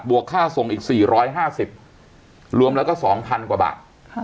วกค่าส่งอีก๔๕๐รวมแล้วก็๒๐๐๐กว่าบาท